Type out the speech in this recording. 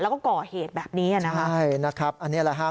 แล้วก็ก่อเหตุแบบนี้อ่ะนะคะใช่นะครับอันนี้แหละฮะ